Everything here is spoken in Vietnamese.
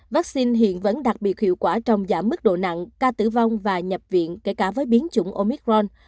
vaccine hiện vẫn đặc biệt hiệu quả trong giảm mức độ nặng ca tử vong và nhập viện kể cả với biến chủng omicron